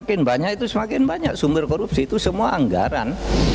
semakin banyak itu semakin banyak sumber korupsi itu semua anggaran